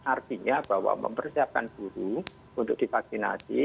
artinya bahwa mempersiapkan guru untuk divaksinasi